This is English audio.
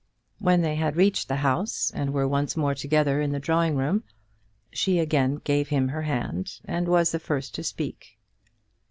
When they had reached the house, and were once more together in the drawing room, she again gave him her hand, and was the first to speak.